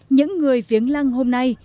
những người viếng lăng hôm nay